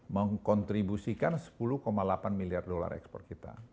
mengkontribusikan sepuluh delapan miliar dolar ekspor kita